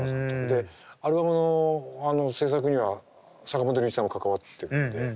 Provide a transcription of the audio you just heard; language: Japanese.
でアルバムの制作には坂本龍一さんも関わってるんで。